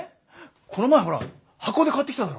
この前ほら箱で買ってきただろ。